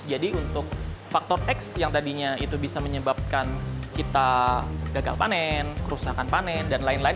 jadi untuk faktor x yang tadinya itu bisa menyebabkan kita gagal panen kerusakan panen dan lain lain